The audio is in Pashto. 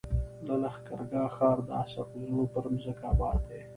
د لښکر ګاه ښار د اسحق زو پر مځکه اباد دی.